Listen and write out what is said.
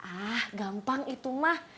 ah gampang itu mah